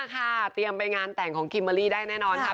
ปีหน้าค่ะเตรียมไปงานแต่งของกิมมารี่ได้แน่นอนค่ะ